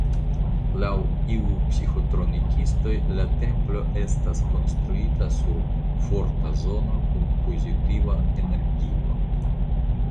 Laŭ iuj psiĥotronikistoj la templo estas konstruita sur forta zono kun pozitiva energio.